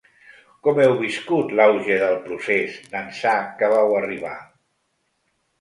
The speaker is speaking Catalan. Com heu viscut l’auge del procés d’ençà que vau arribar?